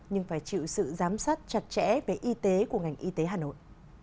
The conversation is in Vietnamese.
nhưng phải chịu sự giám sát chặt chẽ về y tế của ngành y tế hà nội